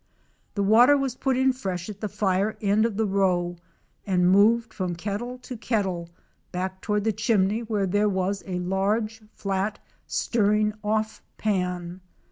The water was put in fresh at the fire end of the row and moved from kettle to kettle back toward the chimney where there was a large, flat stirring off pan.